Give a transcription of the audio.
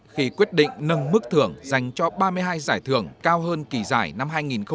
khi quyết định nâng mức thưởng dành cho ba mươi hai giải thưởng cao hơn kỳ giải năm hai nghìn một mươi tám